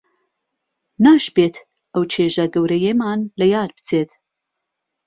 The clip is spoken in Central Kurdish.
ناشبێت ئەو چێژە گەورەیەمان لە یاد بچێت